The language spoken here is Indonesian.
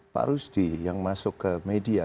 pak rusdi yang masuk ke media